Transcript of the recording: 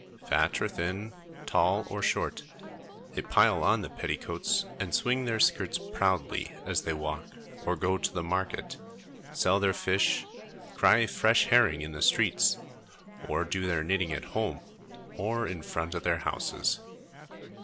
Fat or thin, tall or short, they pile on the petticoats and swing their skirts proudly as they walk or go to market, sell their fish, cry "fresh herring" in the streets, or do their knitting at home, or in front of their houses.